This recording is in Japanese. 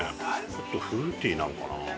ちょっとフルーティーなのかな？